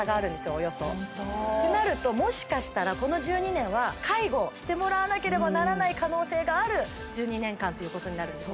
およそとなるともしかしたらこの１２年は介護してもらわなければならない可能性がある１２年間ということになるんです